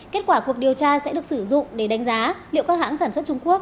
kết quả cuộc điều tra sẽ được sử dụng để đánh giá liệu các hãng sản xuất trung quốc